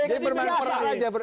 jadi bermain perang aja